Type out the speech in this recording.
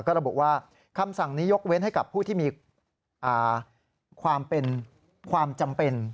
ก็ระบุว่าคำสั่งนี้ยกเว้นให้กับผู้ที่มีความเป็นความจำเป็น